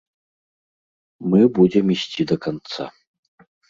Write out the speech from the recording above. Мы будзем ісці да канца.